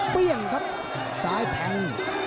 เปลี่ยนครับซ้ายแทง